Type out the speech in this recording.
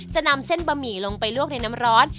จะนำเส้นบะหมี่ลงไปลวกในน้ำร้อน